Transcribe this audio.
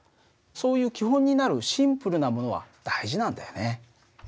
そういう基本になるシンプルなものは大事なんだよね。